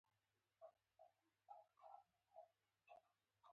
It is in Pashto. مالګه هغه وخت جوړیږي چې هایدروجن آیونونه بې ځایه شي.